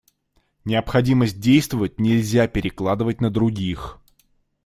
Необходимость действовать нельзя перекладывать на других.